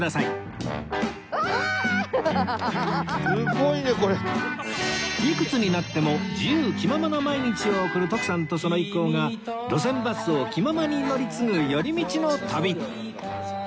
いくつになっても自由きままな毎日を送る徳さんとその一行が路線バスを気ままに乗り継ぐ寄り道の旅